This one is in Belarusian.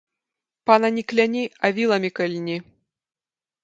Пана не кляні, а віламі кальні